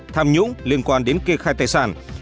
tham nhũng liên quan đến kê khai tài sản